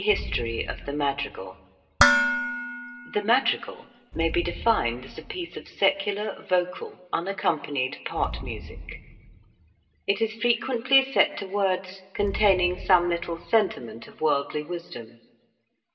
INTRODUCTION CHAPTER I 1 HE madrigal may be defined as a piece of secular vocal unaccompanied part music. It is frequently set to words containing some little sentiment of worldly wisdom.